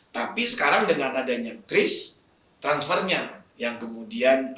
tapi sekarang dengan adanya kris transfernya yang kemudian